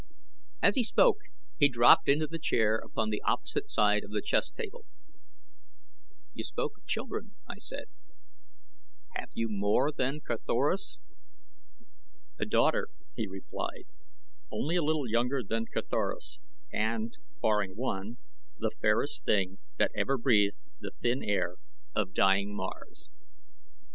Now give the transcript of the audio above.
As he spoke he dropped into the chair upon the opposite side of the chess table. "You spoke of children," I said. "Have you more than Carthoris?" "A daughter," he replied, "only a little younger than Carthoris, and, barring one, the fairest thing that ever breathed the thin air of dying Mars.